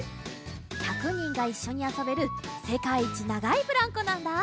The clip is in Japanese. １００にんがいっしょにあそべるせかいいちながいブランコなんだ！